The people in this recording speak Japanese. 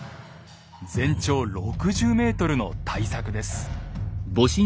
全長６０ｍの大作です。